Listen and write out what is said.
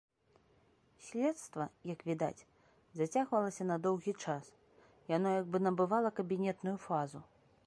Следства, як відаць, зацягвалася на доўгі час, яно як бы набывала кабінетную фазу.